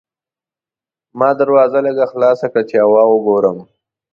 ما دروازه لږه خلاصه کړه چې هوا وګورم.